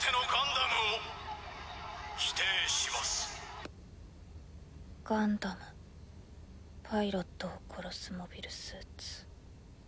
タッガンダムパイロットを殺すモビルスーツ。